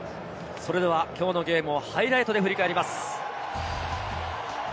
それではきょうのゲームをハイライトで振り返ります。